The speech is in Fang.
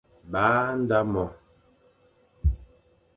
Ba nda mo,